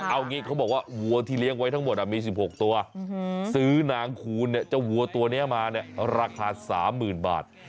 เอางี้เขาบอกว่าวัวที่เลี้ยงไว้ทั้งหมดมี๑๖ตัวซื้อนางคูณเจ้าวัวตัวนี้มาเนี่ยราคา๓๐๐๐บาท